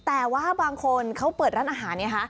แต่ว่าบางคนเขาเปิดร้านอาหารไงคะ